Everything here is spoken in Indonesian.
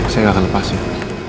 saya gak akan lepasin